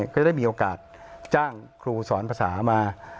ก็ได้มีโอกาสจ้างครูสอนภาษามา